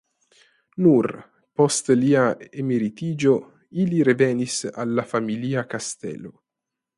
Nur post lia emeritiĝo ili revenis al la familia kastelo.